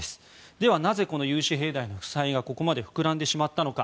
では、なぜ融資平台の負債がここまで膨らんでしまったのか。